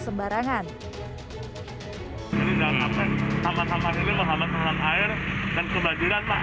sembarangan ini jangan sampai sama sama ini menghambatkan air dan kebajikan tak